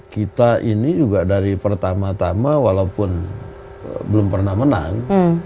kita ini juga dari pertama tama walaupun belum pernah menang